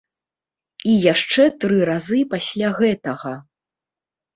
І яшчэ тры разы пасля гэтага.